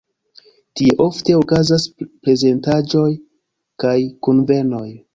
Tie ofte okazas prezentaĵoj kaj kunvenoj.